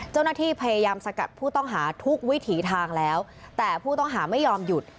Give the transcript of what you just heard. เจ้าหน้าที่พยายามสกัดผู้ต้องหาทุกวิถีทางแล้วแต่ผู้ต้องหาไม่ยอมหยุด